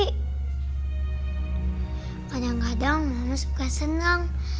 kadang kadang mama suka senang